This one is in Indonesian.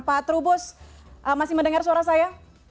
pak trubus masih mendengar suara saya